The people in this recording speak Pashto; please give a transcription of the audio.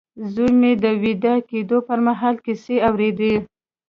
زوی مې د ويده کېدو پر مهال کيسې اورېدې.